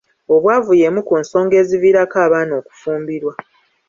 Obwavu y'emu ku nsonga eziviirako abaana okufumbirwa.